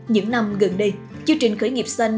những năm gần đây chương trình khởi nghiệp xanh